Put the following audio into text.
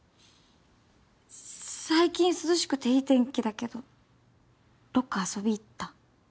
最近涼しくていい天気だけどどっか遊び行った？